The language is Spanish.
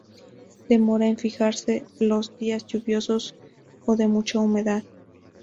Demora en fijarse los días lluviosos o de mucha humedad.